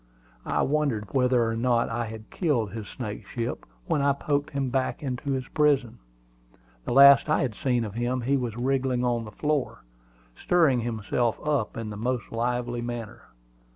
I wondered whether or not I had killed his snakeship when I poked him back into his prison. The last I had seen of him he was wriggling on the floor, stirring himself up in the most lively manner.